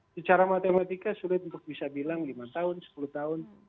secara matematika sulit untuk bisa bilang lima tahun sepuluh tahun